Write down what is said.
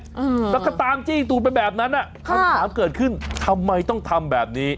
อืมแล้วก็ตามจี้ตูดไปแบบนั้นอ่ะคำถามเกิดขึ้นทำไมต้องทำแบบนี้